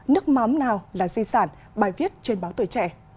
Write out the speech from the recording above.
nước mắm nào là di sản bài viết trên báo tuổi trẻ